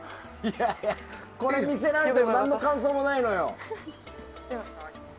これを見せられても何の感想もないのよ。